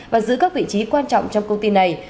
và giữ các vị trí quan trọng trong công ty này